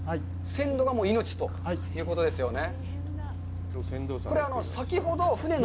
鮮度が命ということですよね。